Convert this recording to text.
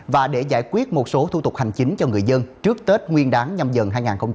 và để giải quyết một số thủ tục hành chính cho người dân trước tết nguyên đáng nhằm dần hai nghìn hai mươi hai